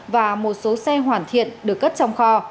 và một số xe hoàn thiện được cất trong kho